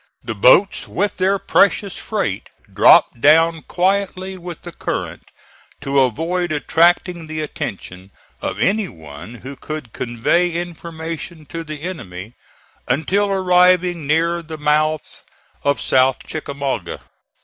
The boats with their precious freight dropped down quietly with the current to avoid attracting the attention of any one who could convey information to the enemy, until arriving near the mouth of South Chickamauga.